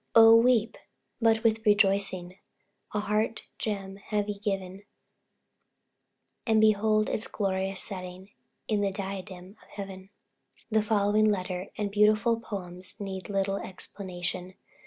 Oh, weep! but with rejoicing; A heart gem have ye given, And behold its glorious setting In the diadem of Heaven. The following letter and beautiful poems need little explanation.